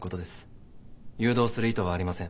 誘導する意図はありません。